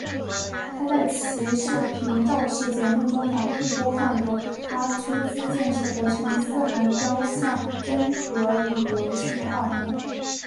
他在其视频造势节目中反复播放由他出资建设的成吉思汗雕像综合旅游区的画面。